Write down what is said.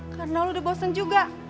karena lo udah bosen juga